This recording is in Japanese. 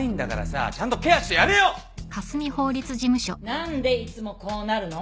何でいつもこうなるの？